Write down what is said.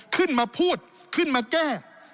ขึ้นมาพูดขึ้นมาแก้